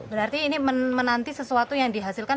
berarti ini menanti sesuatu yang dihasilkan